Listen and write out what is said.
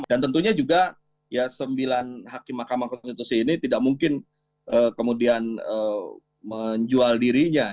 dan tentunya juga sembilan hakim mk ini tidak mungkin kemudian menjual dirinya